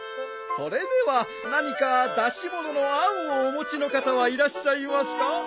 それでは何か出し物の案をお持ちの方はいらっしゃいますか？